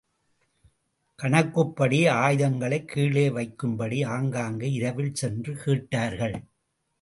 கணக்குப்படி ஆயுதங்களைக் கீழே வைக்கும்படி ஆங்காங்கு இரவில் சென்று கேட்டார்கள்.